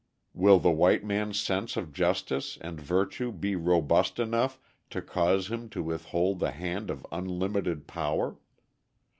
Will the white man's sense of justice and virtue be robust enough to cause him to withhold the hand of unlimited power?